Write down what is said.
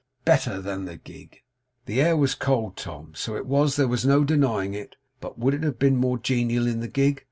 Better than the gig! The air was cold, Tom; so it was, there was no denying it; but would it have been more genial in the gig?